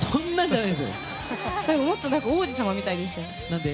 もっと王子様みたいにしてました。